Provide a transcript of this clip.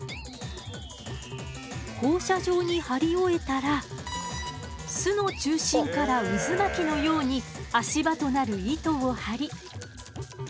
放射状に張り終えたら巣の中心から渦巻きのように足場となる糸を張り。